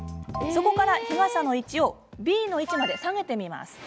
そこから日傘の位置をＢの位置まで下げてみます。